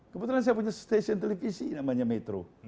kebetulan saya punya stasiun televisi namanya metro